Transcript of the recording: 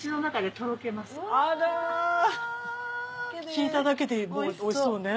聞いただけでおいしそうね。